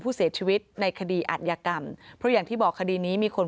ผู้เสียชีวิตในคดีอาจยากรรมเพราะอย่างที่บอกคดีนี้มีคน